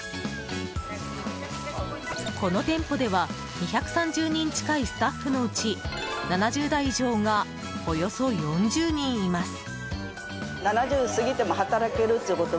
この店舗では２３０人近いスタッフのうち７０代以上がおよそ４０人います。